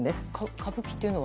歌舞伎というのは？